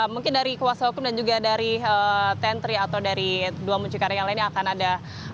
mungkin dari kuasa hukum dan juga dari tentri atau dari dua muncikari yang lainnya akan ada